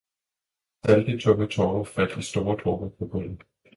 Salte, tunge tårer faldt i store dråber på gulvet.